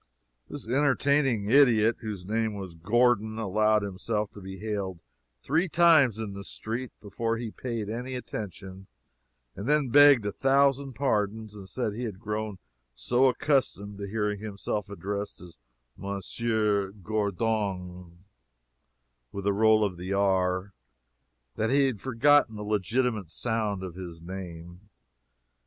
This entertaining idiot, whose name was Gordon, allowed himself to be hailed three times in the street before he paid any attention, and then begged a thousand pardons and said he had grown so accustomed to hearing himself addressed as "M'sieu Gor r dong," with a roll to the r, that he had forgotten the legitimate sound of his name!